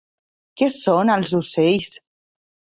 Què són els ocells?